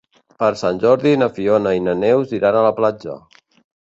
Per Sant Jordi na Fiona i na Neus iran a la platja.